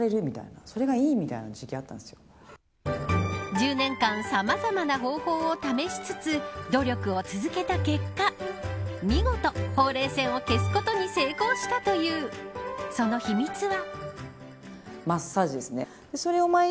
１０年間さまざまな方法を試しつつ努力を続けた結果見事、ほうれい線を消すことに成功したという、その秘密は。